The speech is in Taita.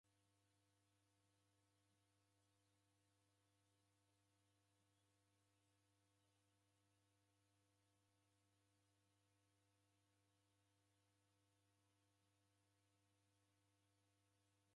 Vilongozi w'engi w'alola kurighitwa noko chashighadi.